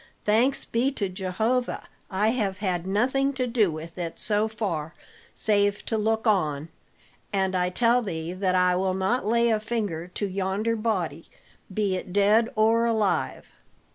"Thanks be to Jehovah, I have had nothing to do with it so far save to look on; and I tell thee that I will not lay a finger to yonder body, be it dead or alive.